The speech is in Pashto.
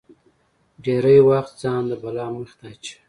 ډېری وخت ځان د بلا مخې ته اچوي.